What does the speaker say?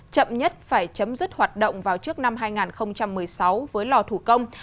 chậm nhất phải chấm dứt hoạt động vào trước năm hai nghìn một mươi sáu với lò thủ công